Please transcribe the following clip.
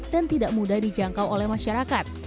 dan tidak mudah dijangkau oleh masyarakat